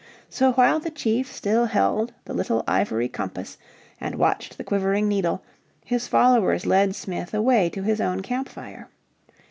So while the chief still held the little ivory compass, and watched the quivering needle, his followers led Smith away to his own camp fire.